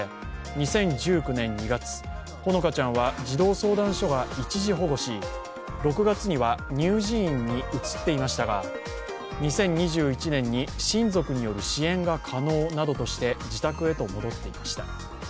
２０１９年２月、ほのかちゃんは児童相談所が一時保護し、６月には乳児院に移っていましたが２０２１年に親族による支援が可能などとして自宅へと戻っていました。